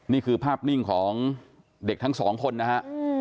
นี่คือภาพนิ่งของเด็กทั้งสองคนนะฮะ